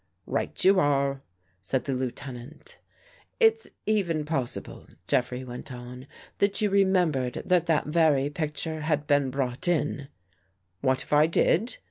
" Right you are," said the Lieutenant. " It's even possible," Jeffrey went on, " that you remembered that that very picture had been brought in?" "What if I did?"